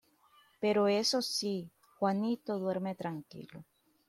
Pero eso sí, Juanito duerme tranquilo.